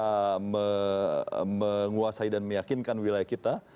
kita menguasai dan meyakinkan wilayah kita